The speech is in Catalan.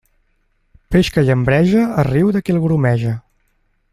Peix que llambreja es riu de qui el grumeja.